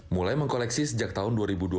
mulai mengkoleksi sejak tahun dua ribu dua belas